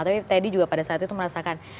tapi teddy juga pada saat itu merasakan